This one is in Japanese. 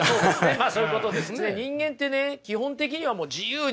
まあそういうことですね。